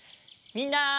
みんな。